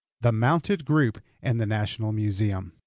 THE MOUNTED GROUP IN THE NATIONAL MUSEUM.